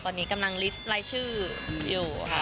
ตอนนี้กำลังลิสต์รายชื่ออยู่ค่ะ